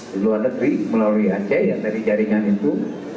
dari luar negeri melalui aceh yang dari jaringan itu